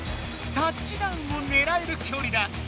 タッチダウンもねらえるきょりだ！